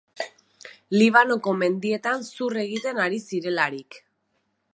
Libanoko mendietan zur egiten ari zirelarik.